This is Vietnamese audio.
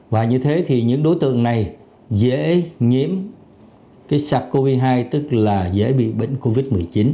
và như thế thì những đối tượng này dễ nhiễm cái sars cov hai tức là dễ bị bệnh covid một mươi chín